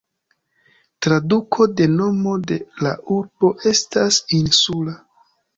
Traduko de nomo de la urbo estas "insula".